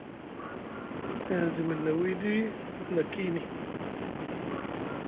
Seŋ zi miɗi na wiiɗi a na kiini.